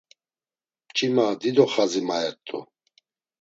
Mçima dido xazi maert̆u.